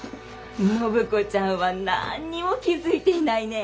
暢子ちゃんは何にも気付いていないね。